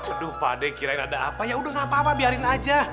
aduh pade kirain ada apa yaudah gapapa biarin aja